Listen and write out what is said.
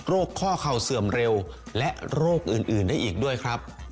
ข้อเข่าเสื่อมเร็วและโรคอื่นได้อีกด้วยครับ